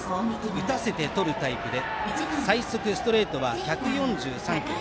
打たせてとるタイプでストレートは最速１４３キロ。